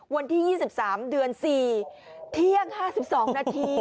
วันที่๒๓เดือน๔เที่ยง๕๒นาที